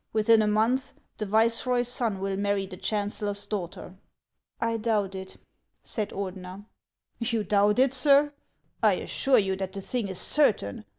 Within a month the vice roy's son will marry the chancellor's daughter." " I doubt it," said Ordener. "You doubt it, sir! I assure you that the thing is certain.